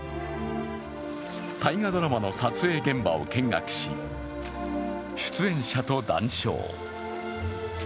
大河ドラマの撮影現場を見学し出演者と談笑。